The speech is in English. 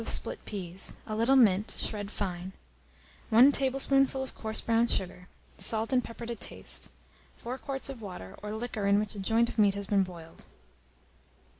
of split peas, a little mint, shred fine; 1 tablespoonful of coarse brown sugar, salt and pepper to taste, 4 quarts of water, or liquor in which a joint of meat has been boiled.